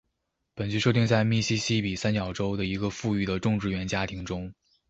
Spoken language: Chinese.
本剧设定在密西西比三角洲的一个富裕的种植园家庭中。